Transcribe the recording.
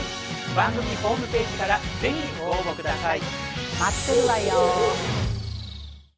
番組ホームページから是非ご応募下さい！